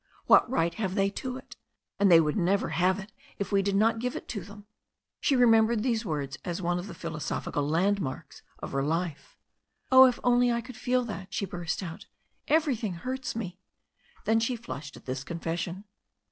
What right have they to it? And they would never have it if we did not give it to them." She remembered these words as one of the i^osophical landmarks of her life. "Oh, if I could only feel that," she burst Out. "Every thing hurts me." Then she flushed at this confession.